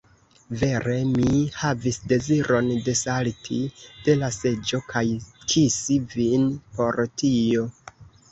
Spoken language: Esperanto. Vere mi havis deziron desalti de la seĝo kaj kisi vin por tio!